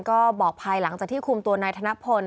ก็บอกภายหลังจากที่คุมตัวนายธนพล